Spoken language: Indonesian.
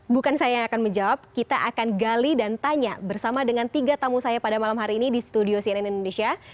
bukan saya yang akan menjawab kita akan gali dan tanya bersama dengan tiga tamu saya pada malam hari ini di studio cnn indonesia